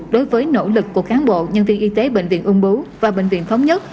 đối với nỗ lực của cán bộ nhân viên y tế bệnh viện ung bú và bệnh viện thống nhất